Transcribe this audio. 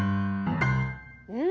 うん。